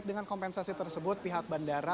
dengan kompensasi tersebut pihak bandara